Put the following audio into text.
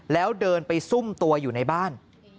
แล้วเดินไปซุ่มตัวอยู่ในบ้าน